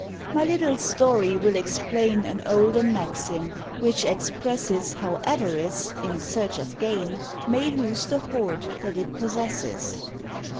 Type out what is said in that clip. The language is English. My little story will explain An olden maxim, which expresses How Avarice, in search of gain, May lose the hoard that it possesses.